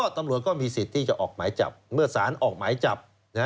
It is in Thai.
ตำรวจก็มีสิทธิ์ที่จะออกหมายจับเมื่อสารออกหมายจับ